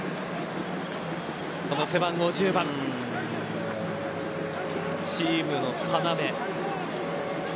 この背番号１０番チームの要。